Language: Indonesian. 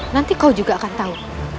nanti kau juga akan tahu